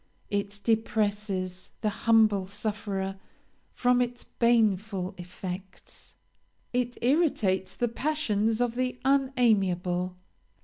It depresses the humble sufferer from its baneful effects; it irritates the passions of the unamiable.